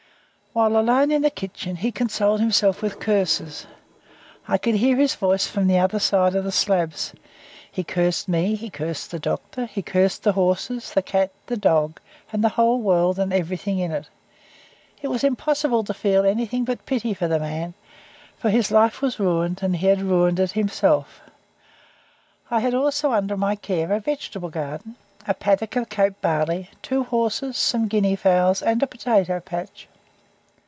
When alone in the kitchen he consoled himself with curses. I could hear his voice from the other side of the slabs. He cursed me, he cursed the Doctor, he cursed the horses, the cat, the dog, and the whole world and everything in it. It was impossible to feel anything but pity for the man, for his life was ruined, and he had ruined it himself. I had also under my care a vegetable garden, a paddock of Cape barley, two horses, some guinea fowls, and a potato patch.